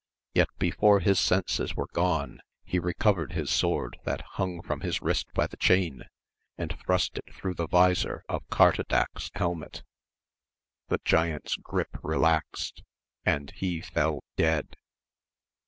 Yet before his senses were gone he recovered his sword that hung from his wrist by the chain, and thrust it through the vizor of Cartadaque's helmet; the giant's gripe relaxed, and he fell dead.